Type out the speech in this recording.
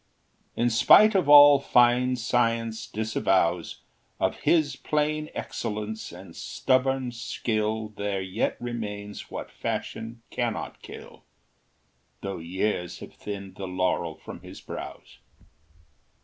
In spite of all fine science disavows, Of his plain excellence and stubborn skill There yet remains what fashion cannot kill, Though years have thinned the laurel from his brows.